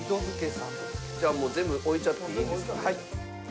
じゃあもう全部置いちゃっていいんですかね。